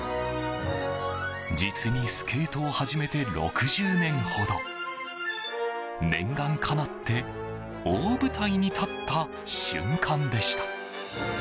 実にスケートを始めて６０年ほど念願かなって大舞台に立った瞬間でした。